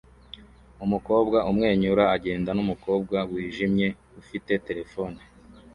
Umukobwa umwenyura agenda n'umukobwa wijimye ufite terefone